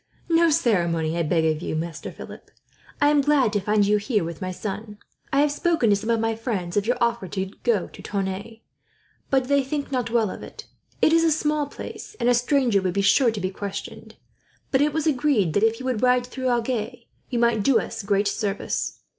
"No ceremony, I beg of you, Master Philip. I am glad to find you here, with my son. I have spoken to some of my friends of your offer to go to Tonneins, but they think not well of it. It is a small place, and a stranger would be sure to be questioned; but it was agreed that, if you would ride through Agen, you might do us great service.